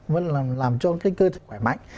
với làm cho cái cơ thể khỏe mạnh